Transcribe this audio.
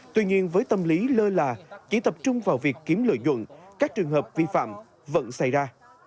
tuy nhiên với tâm lý lơ là chỉ tập trung vào việc kiếm lợi nhuận các trường hợp vi phạm vẫn xảy ra